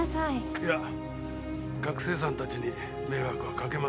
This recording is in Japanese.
いや学生さんたちに迷惑はかけません。